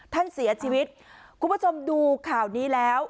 ท่านเสียชีวิตกูประจำดูข่าวนี้แล้ว